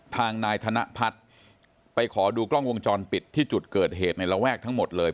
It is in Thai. ทางนายธนพัฒน์ไปขอดูกล้องวงจรปิดที่จุดเกิดเหตุในระแวกทั้งหมดเลย